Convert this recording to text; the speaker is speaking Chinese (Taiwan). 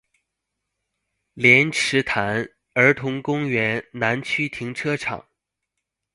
蓮池潭兒童公園南區停車場